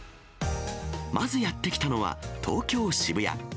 まずやって来たのは、東京・渋谷。